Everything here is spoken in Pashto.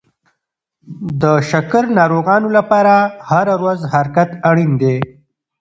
د شکر ناروغانو لپاره هره ورځ حرکت اړین دی.